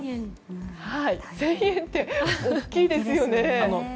１０００円って大きいですよね。